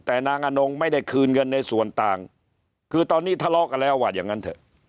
แต่นางอนงไม่ได้คืนเงินในส่วนต่างคือตอนนี้ทะเลาะกันแล้วว่าอย่างนั้นเถอะ